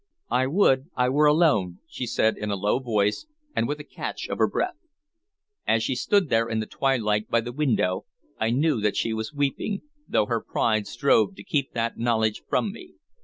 "I would I were alone," she said in a low voice and with a catch of her breath. As she stood there in the twilight by the window, I knew that she was weeping, though her pride strove to keep that knowledge from me.